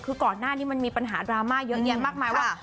คือก่อนหน้านี้มันมีปัญหาดราม่าเยอะแยะมากมายว่า